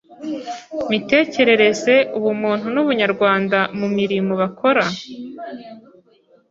mitekerereze, ubumuntu n’ubunyarwanda mu mirimo bakora,